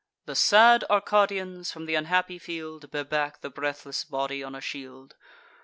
The sad Arcadians, from th' unhappy field, Bear back the breathless body on a shield.